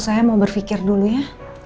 saya mau berpikir dulu ya